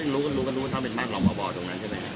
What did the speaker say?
แล้วก็รู้มารพบตรงนั้นใช่มั้ย